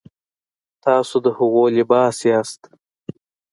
تاسو د هغوی لباس یاست.